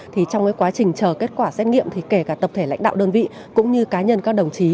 thì trong cái quá trình chờ kết quả xét nghiệm thì kể cả tập thể lãnh đạo đơn vị cũng như cá nhân các đồng chí